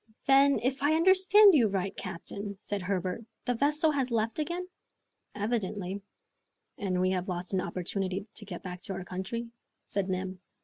"Then, if I understand you right, captain," said Herbert, "the vessel has left again?" "Evidently." "And we have lost an opportunity to get back to our country?" said Neb.